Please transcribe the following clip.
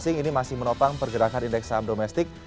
asing ini masih menopang pergerakan indeks saham domestik